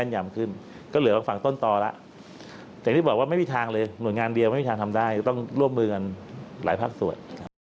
อย่างที่บอกว่าไม่มีทางเลยหน่วยงานเดียวไม่มีทางทำได้ต้องร่วมมือกันหลายภาคส่วนครับ